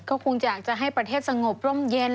ก็คงอยากจะให้ประเทศสงบร่มเย็น